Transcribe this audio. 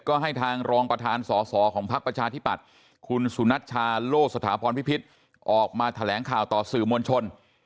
ก็ให้ทางรองประธานสอสอของพักประชาธิปัตย์คุณสุนัชชาโลสถาพรพิพิษออกมาแถลงข่าวต่อสื่อมวลชน